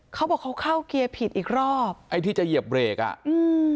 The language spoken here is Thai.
เขาบอกเขาเข้าเกียร์ผิดอีกรอบไอ้ที่จะเหยียบเบรกอ่ะอืม